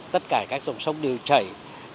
tất cả các dòng sông đều chảy